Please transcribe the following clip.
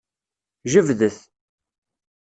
Jebdet.